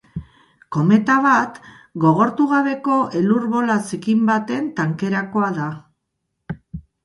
Kometa bat gogortu gabeko elur bola zikin baten tankerakoa da.